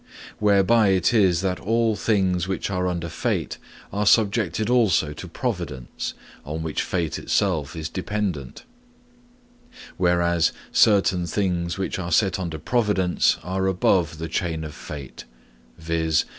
Whereby it is that all things which are under fate are subjected also to providence, on which fate itself is dependent; whereas certain things which are set under providence are above the chain of fate viz.